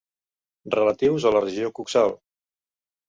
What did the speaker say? Relatius a la regió coxal.